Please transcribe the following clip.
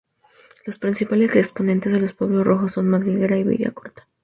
Los principales exponentes de los pueblos rojos son Madriguera y Villacorta.